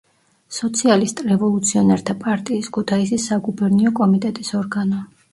სოციალისტ-რევოლუციონერთა პარტიის ქუთაისის საგუბერნიო კომიტეტის ორგანო.